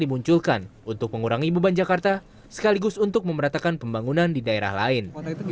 dimunculkan untuk mengurangi beban jakarta sekaligus untuk memeratakan pembangunan di daerah lain